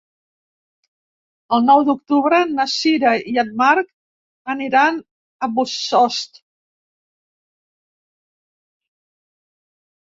El nou d'octubre na Sira i en Marc aniran a Bossòst.